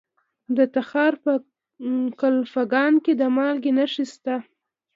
د تخار په کلفګان کې د مالګې نښې شته.